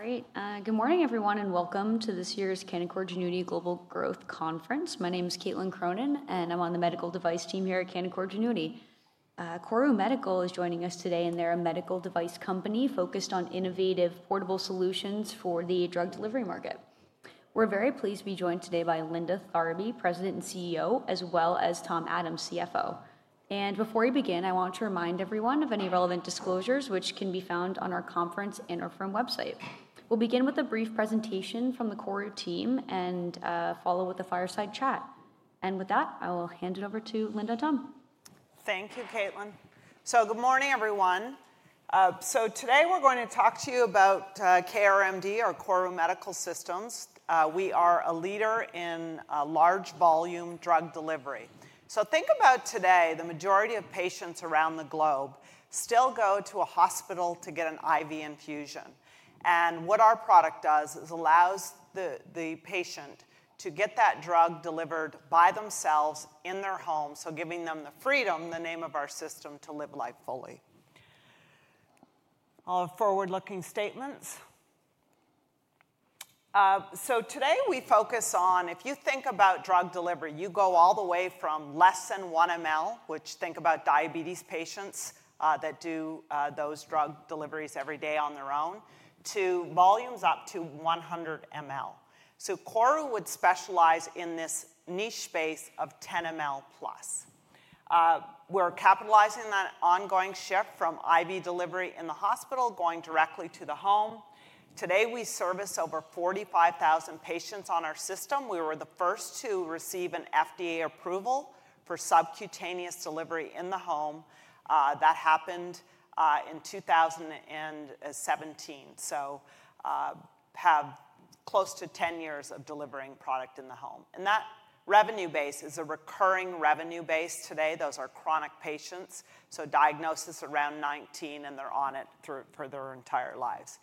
All right, good morning everyone, and welcome to this year's Canaccord Genuity Global Growth Conference. My name is Caitlin Cronin, and I'm on the medical device team here at Canaccord Genuity. KORU Medical is joining us today, and they're a medical device company focused on innovative portable solutions for the drug delivery market. We're very pleased to be joined today by Linda Tharby, President and CEO, as well as Tom Adams, CFO. Before we begin, I want to remind everyone of any relevant disclosures, which can be found on our conference and our firm website. We'll begin with a brief presentation from the KORU team and follow with the fireside chat. With that, I will hand it over to Linda and Tom. Thank you, Caitlin. Good morning everyone. Today we're going to talk to you about KORU Medical Systems. We are a leader in large volume drug delivery. Think about today, the majority of patients around the globe still go to a hospital to get an IV infusion. What our product does is it allows the patient to get that drug delivered by themselves in their home, giving them the freedom, the name of our system, to live life fully. All forward-looking statements. Today we focus on, if you think about drug delivery, you go all the way from less than 1 ml, which think about diabetes patients that do those drug deliveries every day on their own, to volumes up to 100 ml. KORU would specialize in this niche space of 10 ml+. We're capitalizing on that ongoing shift from IV delivery in the hospital going directly to the home. Today, we service over 45,000 patients on our system. We were the first to receive an FDA approval for subcutaneous delivery in the home. That happened in 2017, so have close to 10 years of delivering product in the home. That revenue base is a recurring revenue base today. Those are chronic patients, so diagnosis around COVID-19, and they're on it for their entire lives.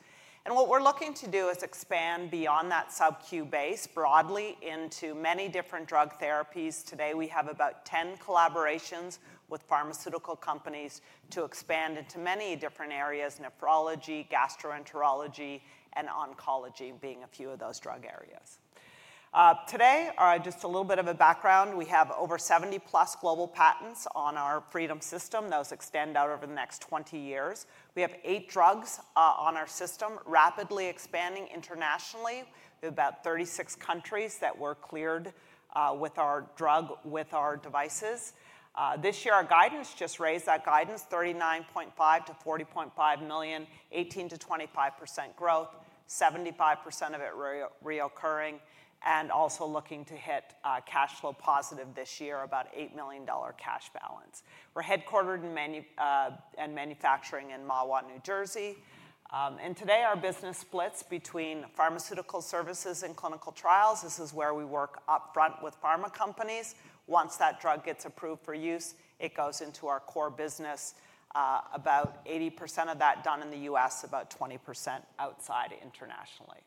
What we're looking to do is expand beyond that sub-Q base broadly into many different drug therapies. Today, we have about 10 collaborations with pharmaceutical companies to expand into many different areas: nephrology, gastroenterology, and oncology being a few of those drug areas. Just a little bit of a background. We have over 70+ global patents on our Freedom System. Those extend out over the next 20 years. We have eight drugs on our system, rapidly expanding internationally. We have about 36 countries that were cleared with our drug, with our devices. This year, our guidance just raised that guidance $39.5-$40.5 million, 18%-25% growth, 75% of it recurring, and also looking to hit cash flow positive this year, about $8 million cash balance. We're headquartered in manufacturing in Mahwah, New Jersey. Today, our business splits between pharma services and clinical trials. This is where we work upfront with pharma companies. Once that drug gets approved for use, it goes into our core business. About 80% of that done in the U.S., about 20% outside internationally.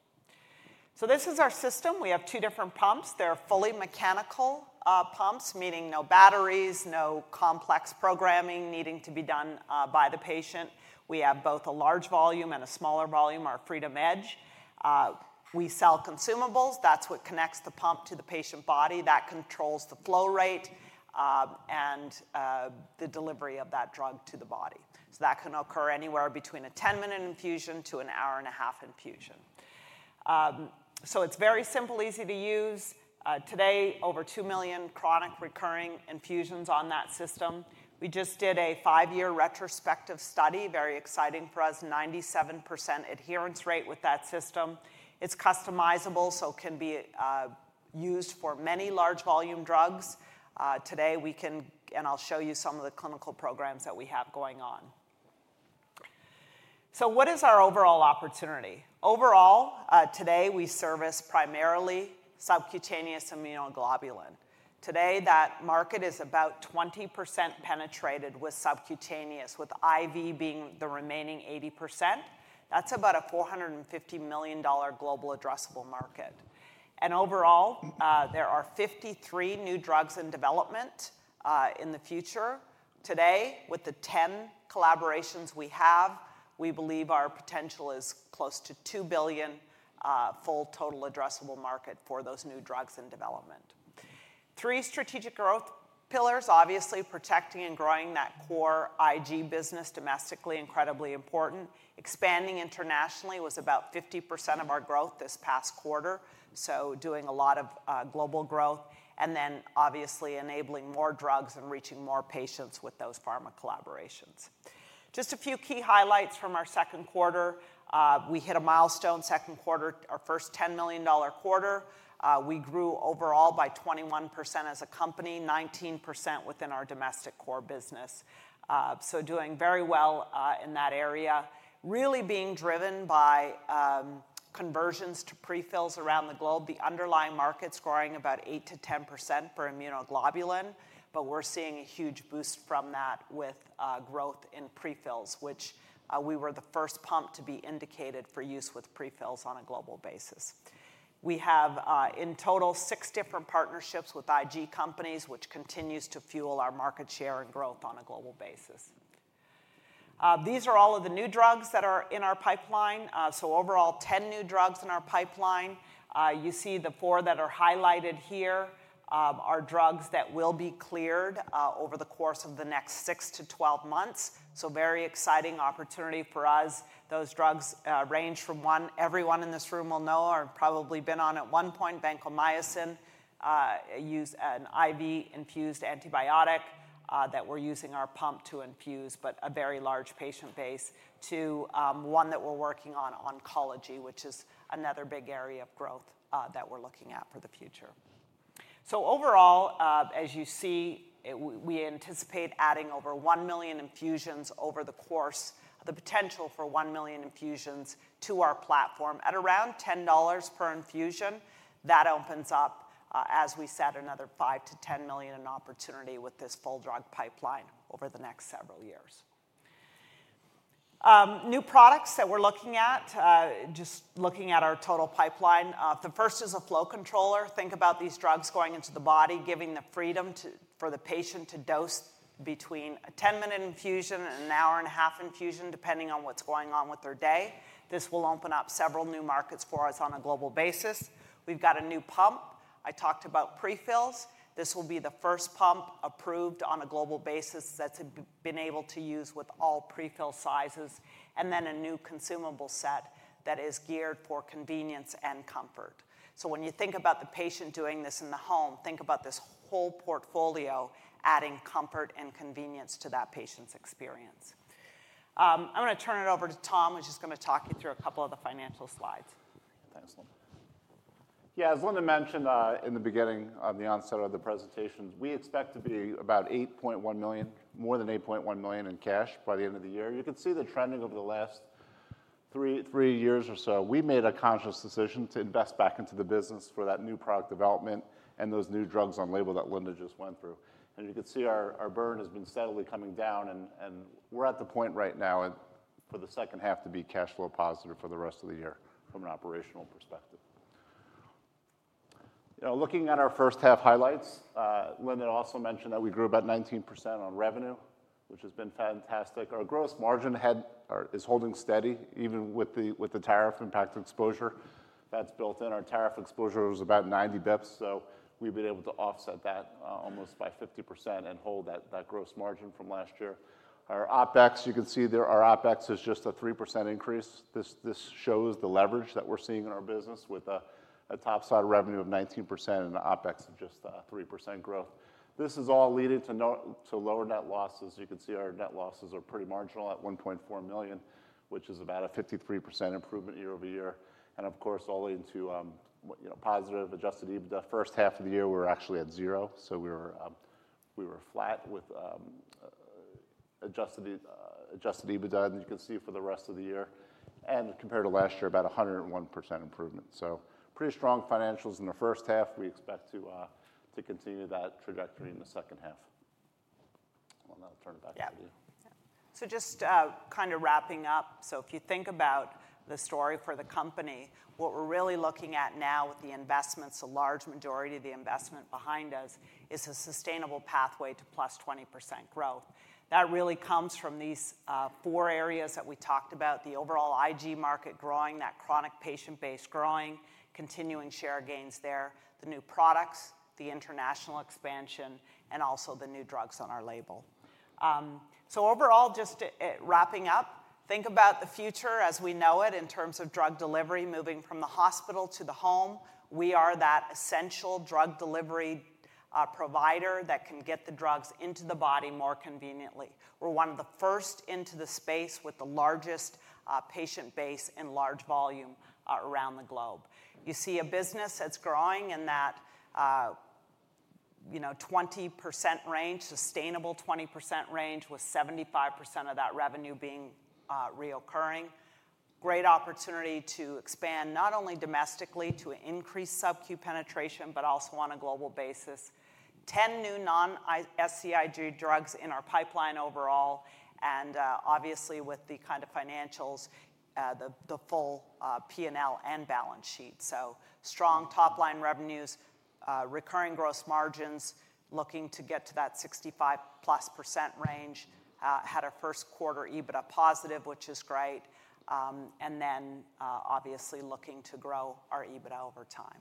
This is our system. We have two different pumps. They're fully mechanical pumps, meaning no batteries, no complex programming needing to be done by the patient. We have both a large volume and a smaller volume, our FreedomEdge. We sell consumables. That's what connects the pump to the patient body. That controls the flow rate and the delivery of that drug to the body. That can occur anywhere between a 10-minute infusion to an hour and a half infusion. It's very simple, easy to use. Today, over 2 million chronic recurring infusions on that system. We just did a five-year retrospective study, very exciting for us, 97% adherence rate with that system. It's customizable, so it can be used for many large volume drugs. Today, we can, and I'll show you some of the clinical programs that we have going on. What is our overall opportunity? Overall, today we service primarily subcutaneous immunoglobulin. Today, that market is about 20% penetrated with subcutaneous, with IV being the remaining 80%. That's about a $450 million global addressable market. Overall, there are 53 new drugs in development in the future. Today, with the 10 collaborations we have, we believe our potential is close to $2 billion full total addressable market for those new drugs in development. Three strategic growth pillars, obviously protecting and growing that core IG business, domestically incredibly important. Expanding internationally was about 50% of our growth this past quarter, doing a lot of global growth, and obviously enabling more drugs and reaching more patients with those pharma collaborations. Just a few key highlights from our second quarter. We hit a milestone second quarter, our first $10 million quarter. We grew overall by 21% as a company, 19% within our domestic core business. Doing very well in that area, really being driven by conversions to prefills around the globe. The underlying market's growing about 8%-10% per immunoglobulin, but we're seeing a huge boost from that with growth in prefills, which we were the first pump to be indicated for use with prefills on a global basis. We have in total six different partnerships with IG companies, which continues to fuel our market share and growth on a global basis. These are all of the new drugs that are in our pipeline. Overall, 10 new drugs in our pipeline. You see the four that are highlighted here are drugs that will be cleared over the course of the next 6-12 months. Very exciting opportunity for us. Those drugs range from one everyone in this room will know or probably been on at one point, vancomycin, used, an IV-infused antibiotic that we're using our pump to infuse, but a very large patient base, to one that we're working on, oncology, which is another big area of growth that we're looking at for the future. Overall, as you see, we anticipate adding over 1 million infusions over the course, the potential for 1 million infusions to our platform at around $10 per infusion. That opens up, as we said, another $5 million-$10 million in opportunity with this full drug pipeline over the next several years. New products that we're looking at, just looking at our total pipeline. The first is a flow controller. Think about these drugs going into the body, giving the freedom for the patient to dose between a 10-minute infusion and an hour and a half infusion, depending on what's going on with their day. This will open up several new markets for us on a global basis. We've got a new pump. I talked about prefills. This will be the first pump approved on a global basis that's been able to use with all prefill sizes, and then a new consumable set that is geared for convenience and comfort. When you think about the patient doing this in the home, think about this whole portfolio adding comfort and convenience to that patient's experience. I'm going to turn it over to Tom, who's just going to talk you through a couple of the financial slides. Thanks, Lynn. Yeah, as Linda mentioned in the beginning at the onset of the presentation, we expect to be about $8.1 million, more than $8.1 million in cash by the end of the year. You can see the trending over the last three years or so. We made a conscious decision to invest back into the business for that new product development and those new drugs on label that Linda just went through. You can see our burn has been steadily coming down, and we're at the point right now for the second half to be cash flow positive for the rest of the year from an operational perspective. Looking at our first half highlights, Linda also mentioned that we grew about 19% on revenue, which has been fantastic. Our gross margin is holding steady, even with the tariff impact exposure that's built in. Our tariff exposure was about 90 basis points, so we've been able to offset that almost by 50% and hold that gross margin from last year. Our OpEx, you can see there, our OpEx is just a 3% increase. This shows the leverage that we're seeing in our business with a top side revenue of 19% and an OpEx of just 3% growth. This is all leading to lower net losses. You can see our net losses are pretty marginal at $1.4 million, which is about a 53% improvement year-over-year. Of course, all into positive adjusted EBITDA. First half of the year, we were actually at zero, so we were flat with adjusted EBITDA, and you can see for the rest of the year, and compared to last year, about 101% improvement. Pretty strong financials in the first half. We expect to continue that trajectory in the second half. I'll turn it back over to you. Yeah. Just kind of wrapping up, if you think about the story for the company, what we're really looking at now with the investments, a large majority of the investment behind us, is a sustainable pathway to +20% growth. That really comes from these four areas that we talked about: the overall IG market growing, that chronic patient base growing, continuing share gains there, the new products, the international expansion, and also the new drugs on our label. Overall, just wrapping up, think about the future as we know it in terms of drug delivery moving from the hospital to the home. We are that essential drug delivery provider that can get the drugs into the body more conveniently. We're one of the first into the space with the largest patient base and large volume around the globe. You see a business that's growing in that 20% range, sustainable 20% range, with 75% of that revenue being recurring. Great opportunity to expand not only domestically to increase sub-Q penetration, but also on a global basis. 10 new non-SCIG drugs in our pipeline overall, and obviously with the kind of financials, the full P&L and balance sheet. Strong top line revenues, recurring gross margins, looking to get to that 65%+ range, had our first quarter EBITDA positive, which is great, and obviously looking to grow our EBITDA over time.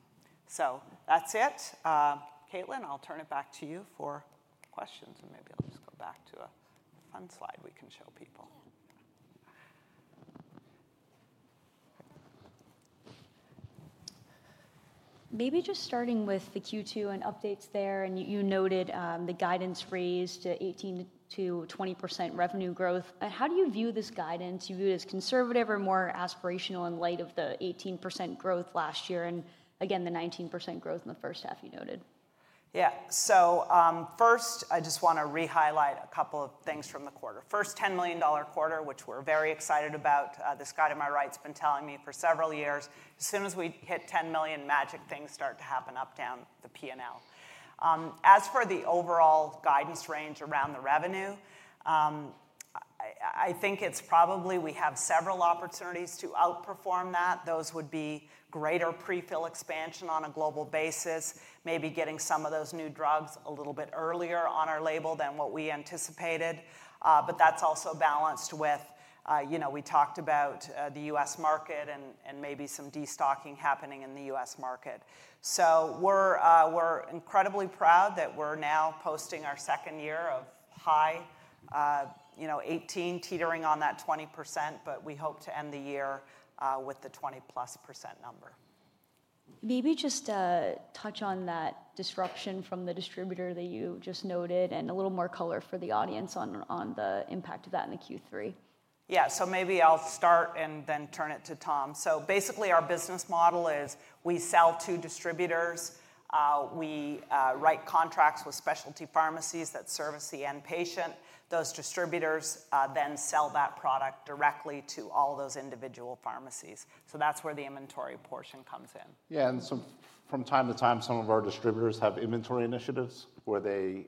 That's it. Caitlin, I'll turn it back to you for questions, and maybe I'll just go back to a fun slide we can show people. Maybe just starting with the Q2 and updates there, and you noted the guidance raised to 18-20% revenue growth. How do you view this guidance? Do you view it as conservative or more aspirational in light of the 18% growth last year and again the 19% growth in the first half you noted? Yeah. First, I just want to re-highlight a couple of things from the quarter. First, $10 million quarter, which we're very excited about. This guy to my right's been telling me for several years, as soon as we hit $10 million, magic things start to happen up and down the P&L. As for the overall guidance range around the revenue, I think it's probably we have several opportunities to outperform that. Those would be greater prefill expansion on a global basis, maybe getting some of those new drugs a little bit earlier on our label than what we anticipated. That's also balanced with, you know, we talked about the U.S. market and maybe some destocking happening in the U.S. market. We're incredibly proud that we're now posting our second year of high, you know, 18%, teetering on that 20%, but we hope to end the year with the 20+% number. Maybe just touch on that disruption from the distributor that you just noted, and a little more color for the audience on the impact of that in Q3. Yeah. Maybe I'll start and then turn it to Tom. Basically, our business model is we sell to distributors. We write contracts with specialty pharmacies that service the end patient. Those distributors then sell that product directly to all those individual pharmacies. That's where the inventory portion comes in. From time to time, some of our distributors have inventory initiatives where they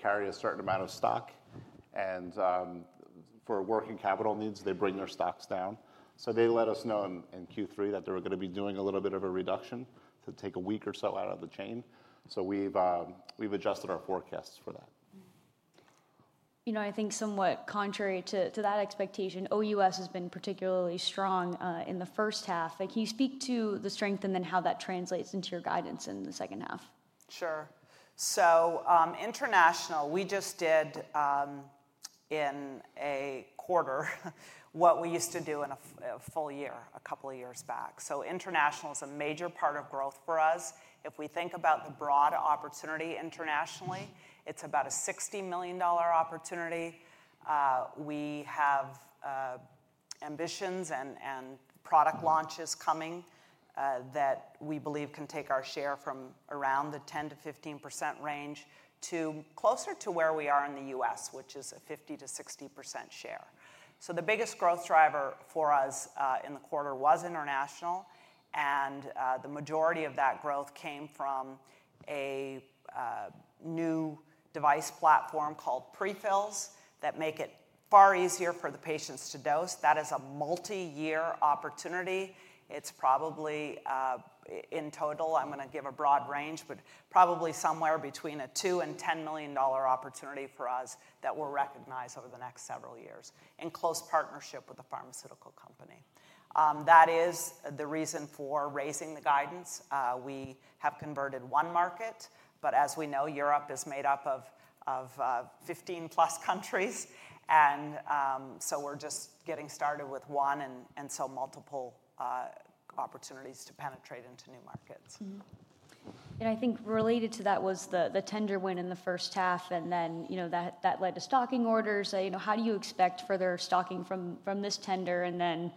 carry a certain amount of stock, and for working capital needs, they bring their stocks down. They let us know in Q3 that they were going to be doing a little bit of a reduction to take a week or so out of the chain. We've adjusted our forecasts for that. You know, I think somewhat contrary to that expectation, OUS. has been particularly strong in the first half. Can you speak to the strength, and then how that translates into your guidance in the second half? Sure. International, we just did in a quarter what we used to do in a full year a couple of years back. International is a major part of growth for us. If we think about the broad opportunity internationally, it's about a $60 million opportunity. We have ambitions and product launches coming that we believe can take our share from around the 10%-15% range to closer to where we are in the U.S., which is a 50%-60% share. The biggest growth driver for us in the quarter was international, and the majority of that growth came from a new device platform called prefills that make it far easier for the patients to dose. That is a multi-year opportunity. It's probably, in total, I'm going to give a broad range, but probably somewhere between a $2 million and $10 million opportunity for us that we'll recognize over the next several years in close partnership with the pharmaceutical company. That is the reason for raising the guidance. We have converted one market, but as we know, Europe is made up of 15+ countries, and we're just getting started with one, so there are multiple opportunities to penetrate into new markets. I think related to that was the tender win in the first half, and that led to stocking orders. How do you expect further stocking from this tender, and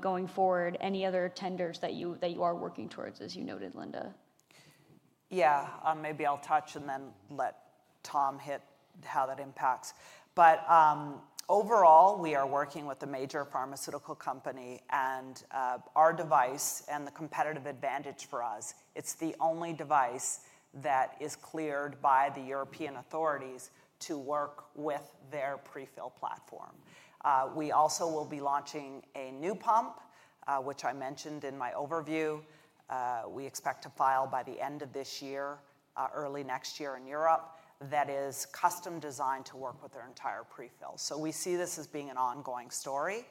going forward, any other tenders that you are working towards, as you noted, Linda? Yeah. Maybe I'll touch and then let Tom hit how that impacts. Overall, we are working with a major pharmaceutical company, and our device and the competitive advantage for us, it's the only device that is cleared by the European authorities to work with their prefill platform. We also will be launching a new pump, which I mentioned in my overview. We expect to file by the end of this year, early next year in Europe, that is custom designed to work with their entire prefill. We see this as being an ongoing story.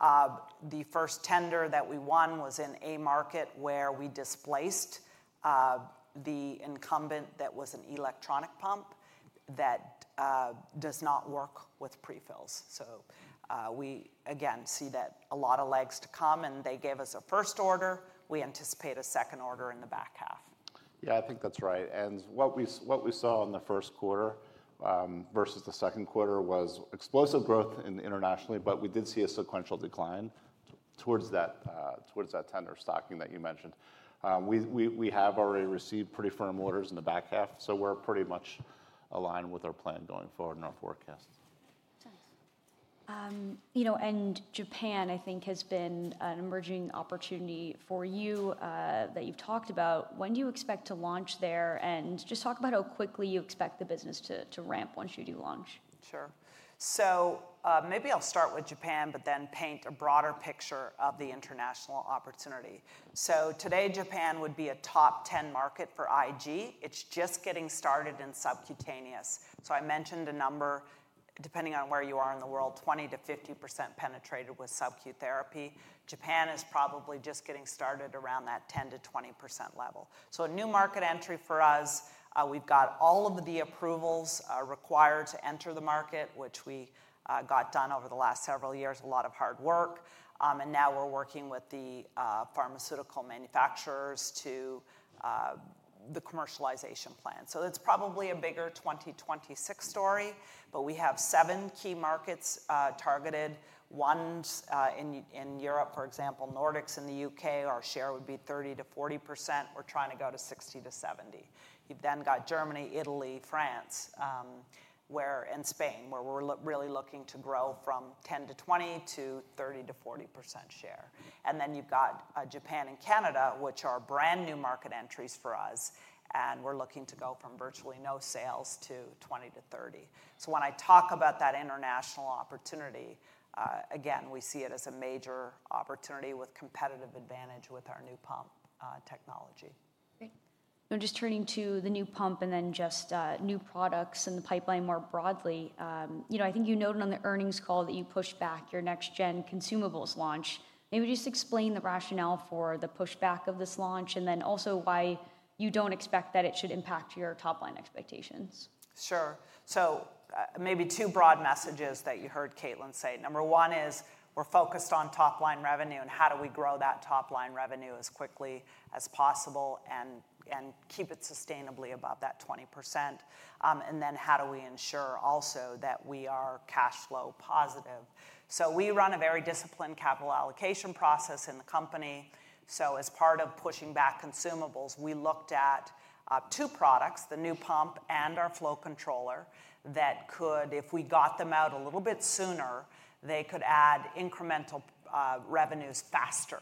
The first tender that we won was in a market where we displaced the incumbent that was an electronic pump that does not work with prefills. We again see that a lot of legs to come, and they gave us a first order. We anticipate a second order in the back half. I think that's right. What we saw in the first quarter versus the second quarter was explosive growth internationally, but we did see a sequential decline towards that tender stocking that you mentioned. We have already received pretty firm orders in the back half, so we're pretty much aligned with our plan going forward and our forecast. Nice. You know, Japan, I think, has been an emerging opportunity for you that you've talked about. When do you expect to launch there? Just talk about how quickly you expect the business to ramp once you do launch. Sure. Maybe I'll start with Japan, but then paint a broader picture of the international opportunity. Today, Japan would be a top 10 market for IG. It's just getting started in subcutaneous. I mentioned a number, depending on where you are in the world, 20%-50% penetrated with sub-Q therapy. Japan is probably just getting started around that 10%-20% level. A new market entry for us. We've got all of the approvals required to enter the market, which we got done over the last several years, a lot of hard work. Now we're working with the pharmaceutical manufacturers to the commercialization plan. It's probably a bigger 2026 story, but we have seven key markets targeted. One's in Europe, for example, Nordics and the U.K. Our share would be 30%-40%. We're trying to go to 60%-70%. You've then got Germany, Italy, France, and Spain, where we're really looking to grow from 10%-40% share. Then you've got Japan and Canada, which are brand new market entries for us, and we're looking to go from virtually no sales to 20%-30%. When I talk about that international opportunity, again, we see it as a major opportunity with competitive advantage with our new pump technology. Great. I'm just turning to the new pump and then new products in the pipeline more broadly. I think you noted on the earnings call that you pushed back your next-gen consumables launch. Maybe just explain the rationale for the pushback of this launch and then also why you don't expect that it should impact your top line expectations. Sure. Maybe two broad messages that you heard Caitlin say. Number one is we're focused on top line revenue and how do we grow that top line revenue as quickly as possible and keep it sustainably above that 20%. Then how do we ensure also that we are cash flow positive? We run a very disciplined capital allocation process in the company. As part of pushing back consumables, we looked at two products, the new pump and our flow controller, that could, if we got them out a little bit sooner, add incremental revenues faster.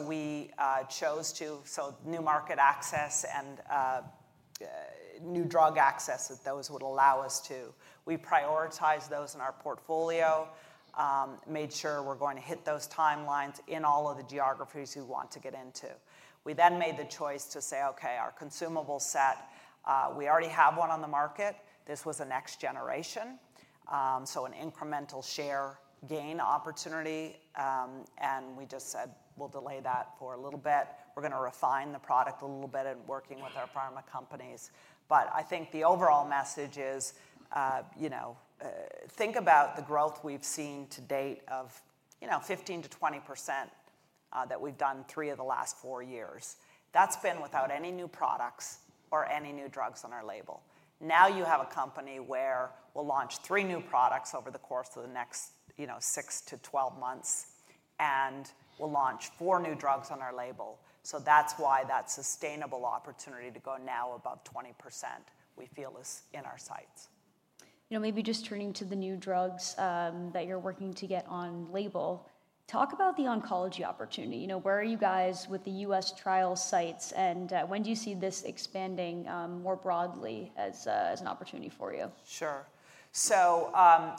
We chose to, so new market access and new drug access, that those would allow us to. We prioritize those in our portfolio, made sure we're going to hit those timelines in all of the geographies we want to get into. We then made the choice to say, okay, our consumable set, we already have one on the market. This was a next generation, so an incremental share gain opportunity. We just said we'll delay that for a little bit. We're going to refine the product a little bit in working with our pharma companies. I think the overall message is, you know, think about the growth we've seen to date of, you know, 15%-20% that we've done three of the last four years. That's been without any new products or any new drugs on our label. Now you have a company where we'll launch three new products over the course of the next, you know, 6-12 months, and we'll launch four new drugs on our label. That's why that sustainable opportunity to go now above 20% we feel is in our sights. You know, maybe just turning to the new drugs that you're working to get on label, talk about the oncology opportunity. Where are you guys with the U.S. trial sites, and when do you see this expanding more broadly as an opportunity for you? Sure.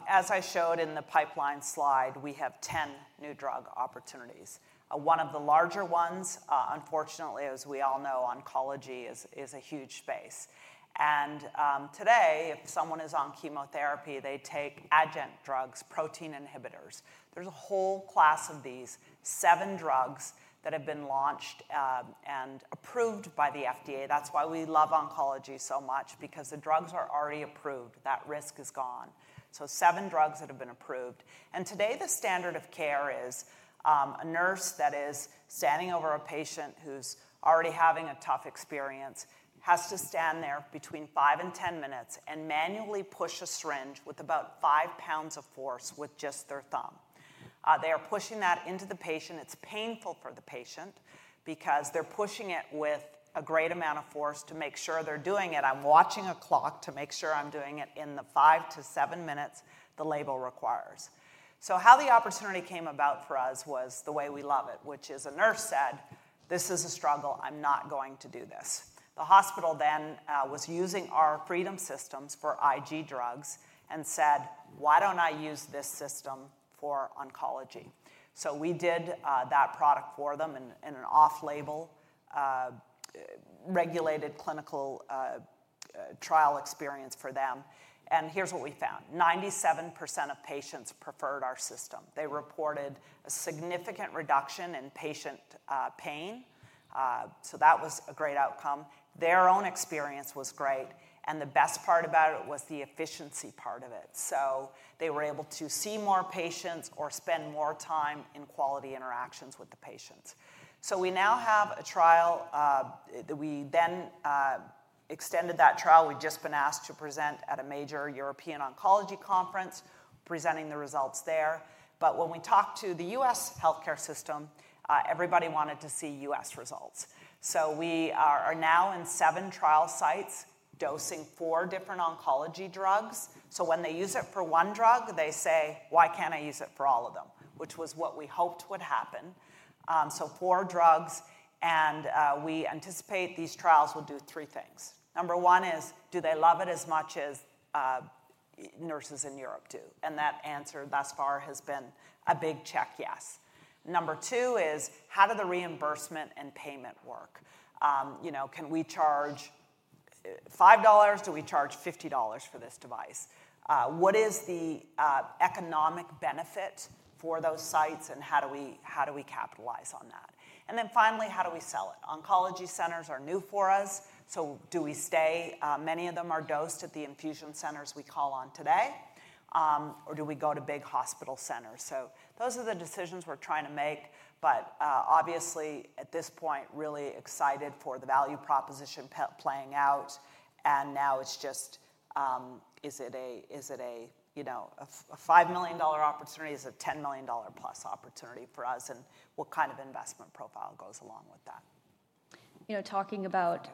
As I showed in the pipeline slide, we have 10 new drug opportunities. One of the larger ones, unfortunately, as we all know, oncology is a huge space. Today, if someone is on chemotherapy, they take adjunct drugs, protein inhibitors. There's a whole class of these seven drugs that have been launched and approved by the FDA. That's why we love oncology so much, because the drugs are already approved. That risk is gone. Seven drugs have been approved. Today, the standard of care is a nurse that is standing over a patient who's already having a tough experience and has to stand there between five and 10 minutes and manually push a syringe with about five pounds of force with just their thumb. They are pushing that into the patient. It's painful for the patient because they're pushing it with a great amount of force to make sure they're doing it. I'm watching a clock to make sure I'm doing it in the five to seven minutes the label requires. The opportunity came about for us the way we love it, which is a nurse said, "This is a struggle. I'm not going to do this." The hospital then was using our Freedom System for IG drugs and said, "Why don't I use this system for oncology?" We did that product for them in an off-label, regulated clinical trial experience for them. Here's what we found. 97% of patients preferred our system. They reported a significant reduction in patient pain. That was a great outcome. Their own experience was great. The best part about it was the efficiency part of it. They were able to see more patients or spend more time in quality interactions with the patients. We now have a trial that we then extended. We've just been asked to present at a major European oncology conference, presenting the results there. When we talked to the U.S. healthcare system, everybody wanted to see U.S. results. We are now in seven trial sites dosing four different oncology drugs. When they use it for one drug, they say, "Why can't I use it for all of them?" which was what we hoped would happen. Four drugs, and we anticipate these trials will do three things. Number one is, do they love it as much as nurses in Europe do? That answer thus far has been a big check yes. Number two is, how do the reimbursement and payment work? You know, can we charge $5? Do we charge $50 for this device? What is the economic benefit for those sites, and how do we capitalize on that? Finally, how do we sell it? Oncology centers are new for us. Do we stay? Many of them are dosed at the infusion centers we call on today, or do we go to big hospital centers? Those are the decisions we're trying to make. Obviously, at this point, really excited for the value proposition playing out. Now it's just, is it a $5 million opportunity? Is it a $10 million+ opportunity for us? What kind of investment profile goes along with that? You know, talking about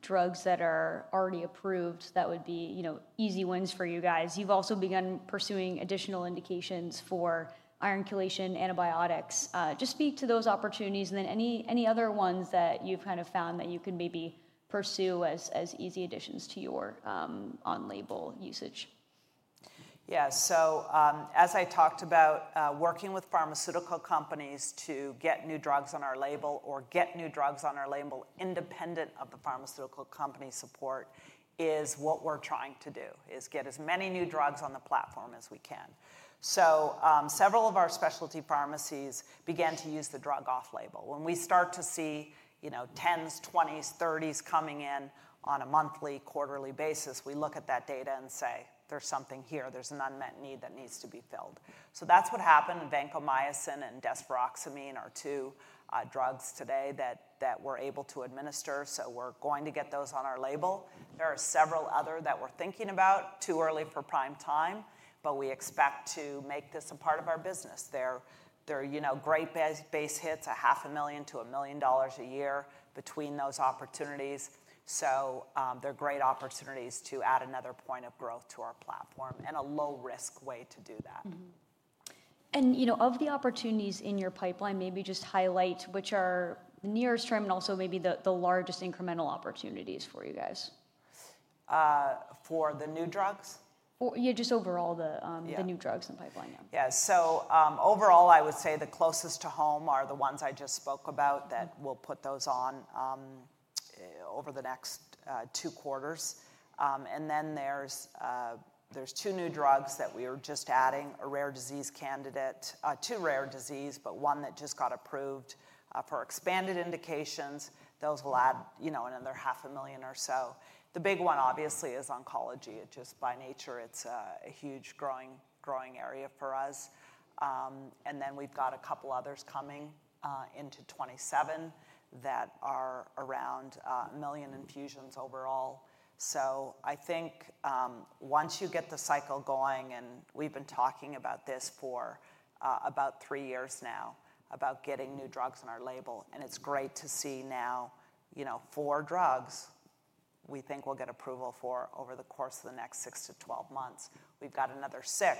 drugs that are already approved, that would be easy wins for you guys. You've also begun pursuing additional indications for iron chelation, antibiotics. Just speak to those opportunities and any other ones that you've kind of found that you can maybe pursue as easy additions to your on-label usage. Yeah. As I talked about, working with pharmaceutical companies to get new drugs on our label or get new drugs on our label independent of the pharmaceutical company support is what we're trying to do, is get as many new drugs on the platform as we can. Several of our specialty pharmacies began to use the drug off-label. When we start to see 10s, 20s, 30s coming in on a monthly, quarterly basis, we look at that data and say, "There's something here. There's an unmet need that needs to be filled." That's what happened. Vancomycin and deferoxamine are two drugs today that we're able to administer. We're going to get those on our label. There are several others that we're thinking about. Too early for prime time, but we expect to make this a part of our business. They're great base hits, $0.5 million-$1 million a year between those opportunities. They're great opportunities to add another point of growth to our platform and a low-risk way to do that. Of the opportunities in your pipeline, maybe just highlight which are nearest term and also maybe the largest incremental opportunities for you guys. For the new drugs? Yeah, just overall the new drugs in the pipeline. Yeah. Overall, I would say the closest to home are the ones I just spoke about that we'll put those on over the next two quarters. There are two new drugs that we are just adding, a rare disease candidate, two rare disease, but one that just got approved for expanded indications. Those will add another $0.5 million or so. The big one, obviously, is oncology. It just, by nature, it's a huge growing area for us. We've got a couple others coming into 2027 that are around 1 million infusions overall. I think once you get the cycle going, and we've been talking about this for about three years now about getting new drugs on our label, it's great to see now four drugs we think we'll get approval for over the course of the next 6-12 months. We've got another six.